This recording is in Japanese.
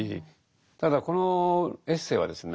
ただこのエッセイはですね